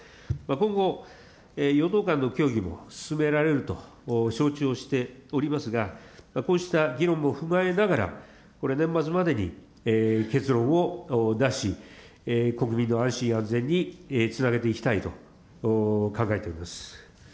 今後、与党間の協議も進められると承知をしておりますが、こうした議論も踏まえながら、年末までに結論を出し、国民の安心安全につなげていきたいと考えております。